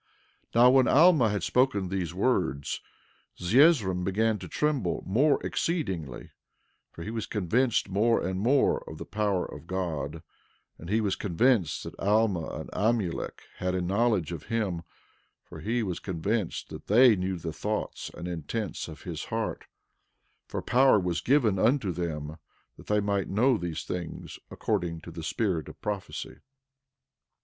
12:7 Now when Alma had spoken these words, Zeezrom began to tremble more exceedingly, for he was convinced more and more of the power of God; and he was also convinced that Alma and Amulek had a knowledge of him, for he was convinced that they knew the thoughts and intents of his heart; for power was given unto them that they might know of these things according to the spirit of prophecy.